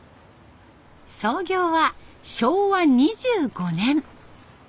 創業は昭和２５年。